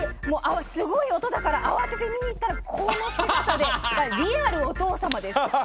すごい音だから慌てて、見に行ったら、この姿でリアルお父様です。